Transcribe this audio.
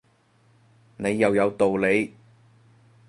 你又有道理